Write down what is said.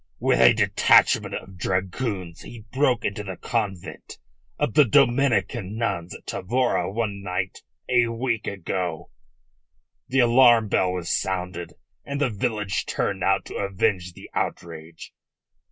"With a detachment of dragoons he broke into the convent of the Dominican nuns at Tavora one night a week ago. The alarm bell was sounded, and the village turned out to avenge the outrage.